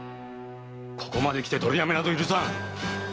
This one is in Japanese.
ここまできて取りやめなど許さぬ！